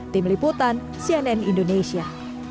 tim liputan cnn indonesia